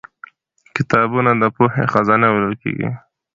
کتابونه د پوهې خزانه بلل کېږي